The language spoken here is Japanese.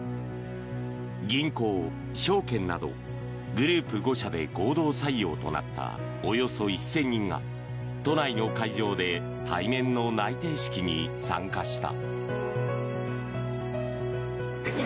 銀行、証券などグループ５社で合同採用となったおよそ１０００人が都内の会場で対面の内定式に参加した。